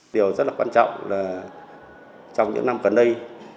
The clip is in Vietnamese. điều rất là quan trọng là trong những năm gần đây